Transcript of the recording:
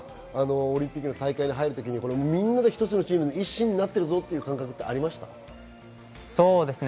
オリンピックの大会に入るときにみんなで一つのチーム、一心になっているぞという感覚はありましたか？